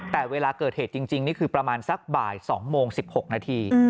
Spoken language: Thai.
แต่เวลาเกิดเหตุจริงนี่คือประมาณสักบ่าย๒โมง๑๖นาที